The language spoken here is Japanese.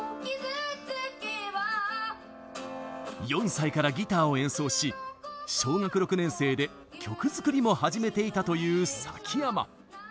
４歳からギターを演奏し小学６年生で曲作りも始めていたという崎山。